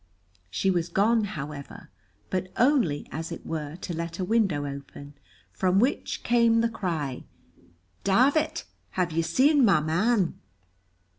She was gone, however, but only, as it were, to let a window open, from which came the cry, "Davit, have you seen my man?"